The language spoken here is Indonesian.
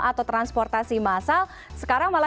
atau transportasi massal